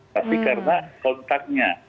tapi karena kontaknya